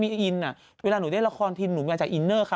มีอินอ่ะเวลาหนูเล่นละครทีนหนูมาจากอินเนอร์ค่ะ